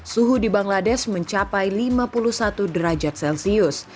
suhu di bangladesh mencapai lima puluh satu derajat celcius